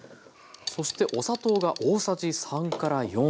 そしてお砂糖が大さじ３４。